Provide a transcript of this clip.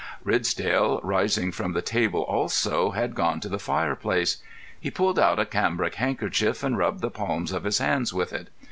Ridsdale, rising from the table also, had gone to the fireplace. He pulled out a cambric handkerchief, and rubbed the palms of his hands with it.